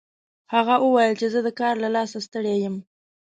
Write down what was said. هغه وویل چې زه د کار له لاسه ستړی یم